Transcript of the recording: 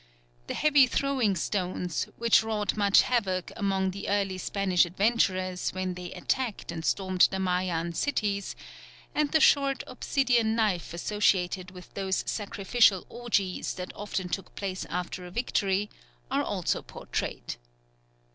The heavy throwing stones, which wrought much havoc among the early Spanish adventurers when they attacked and stormed the Mayan cities, and the short obsidian knife associated with those sacrificial orgies that often took place after a victory, are also portrayed.